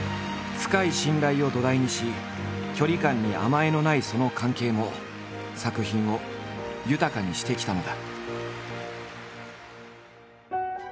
深い信頼を土台にし距離感に甘えのないその関係も作品を豊かにしてきたのだ。